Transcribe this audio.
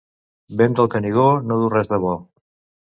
Vent del Canigó no duu res de bo.